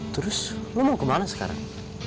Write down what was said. terus lo mau kemana sekarang